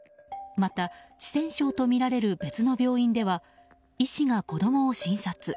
また、四川省とみられる別の病院では医師が子供を診察。